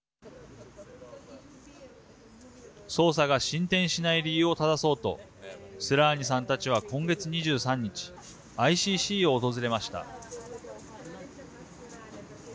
捜査が進展しない理由を正そうとスラーニさんたちは今月２３日ＩＣＣを訪れました。